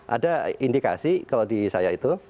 ada indikasi kalau di saya itu